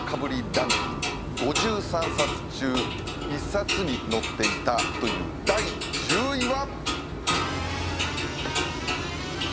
ランキング５３冊中１冊に載っていたという第１０位は。